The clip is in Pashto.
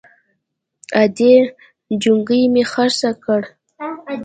_ادې! جونګی مې خرڅ کړ!